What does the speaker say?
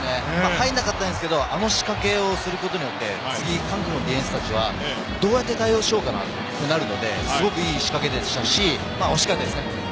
入らなかったんですがあの仕掛けをすることによって次、韓国のディフェンスたちはどうやって対応しようかなとなるのですごくいい仕掛けでしたし惜しかったです。